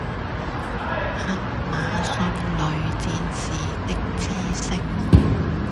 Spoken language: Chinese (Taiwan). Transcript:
亞馬遜女戰士的小知識